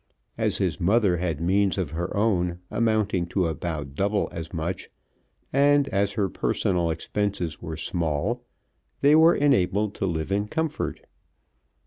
As his mother had means of her own amounting to about double as much, and as her personal expenses were small, they were enabled to live in comfort.